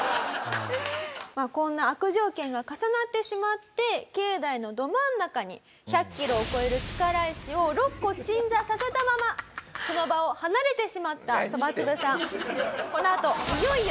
こんな悪条件が重なってしまって境内のど真ん中に１００キロを超える力石を６個鎮座させたままこの場を離れてしまったそばつぶさん。